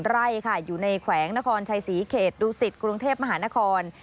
ไร่ค่ะอยู่ในแขวงนครชัยศรีเขตดูสิตกรุงเทพมหานคร